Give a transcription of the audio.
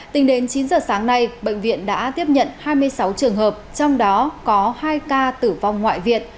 tính đến chín giờ sáng nay bệnh viện đã tiếp nhận hai mươi sáu trường hợp trong đó có hai ca tử vong ngoại viện